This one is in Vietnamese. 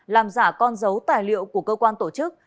làm giả con dấu tài liệu của cơ quan tổ chức